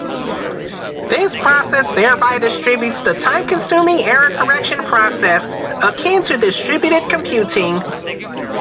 This process thereby distributes the time-consuming error-correction process, akin to distributed computing.